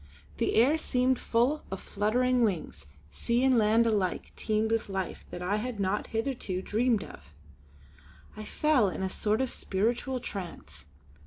The air seemed full of fluttering wings; sea and land alike teemed with life that I had not hitherto dreamed of. I fell in a sort of spiritual trance.